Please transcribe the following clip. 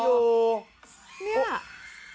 นี่ล่ะ